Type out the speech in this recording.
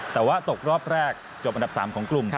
แต่ว่าตกรอบแรกจบอันดับ๓ของกลุ่ม